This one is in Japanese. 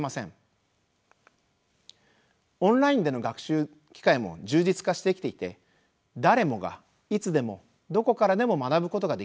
オンラインでの学習機会も充実化してきていて誰もがいつでもどこからでも学ぶことができます。